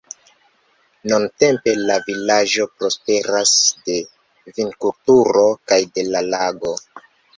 Nuntempe la vilaĝo prosperas de vinkulturo kaj de la lago.